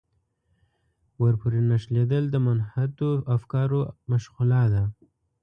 ورپورې نښلېدل د منحطو افکارو مشغولا ده.